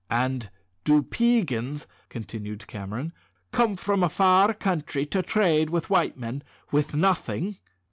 "And do Peigans," continued Cameron, "come from a far country to trade with the white men _with nothing?